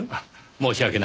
申し訳ない。